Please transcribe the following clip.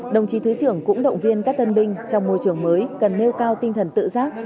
đồng chí thứ trưởng cũng động viên các tân binh trong môi trường mới cần nêu cao tinh thần tự giác